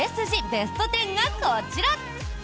ベスト１０がこちら。